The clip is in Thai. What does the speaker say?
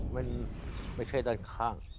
มันไม่ใช่ด้านข้าง